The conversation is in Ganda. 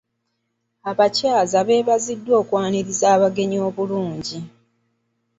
Abaakyaza beebaziddwa okwaniriza abagenyi obulungi.